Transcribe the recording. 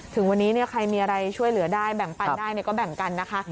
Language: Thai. ถึงวันนี้ใครมีอะไรช่วยเหลือได้แบ่งปันได้ก็แบ่งกันนะคะ